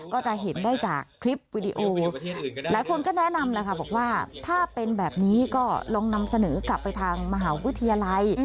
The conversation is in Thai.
ก็จะเห็นได้จากคลิปวิดีโอหลายคนก็แนะนำแหละค่ะบอกว่าถ้าเป็นแบบนี้ก็ลองนำเสนอกลับไปทางมหาวิทยาลัย